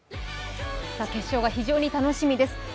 決勝が非常に楽しみです。